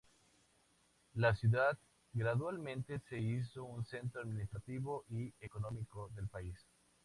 La ciudad gradualmente se hizo un centro administrativo y económico del país.